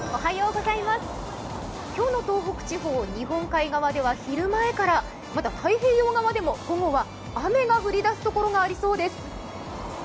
今日の東北地方、日本海側では昼前から太平洋側でも、午後は雨が降りだすところがありそうです。